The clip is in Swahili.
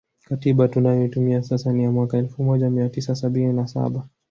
Katiba tunayotumia sasa ni ya mwaka elfu moja mia tisa sabini na saba